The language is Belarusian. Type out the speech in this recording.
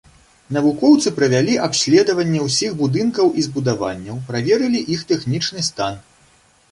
Навукоўцы правялі абследаванне ўсіх будынкаў і збудаванняў, праверылі іх тэхнічны стан.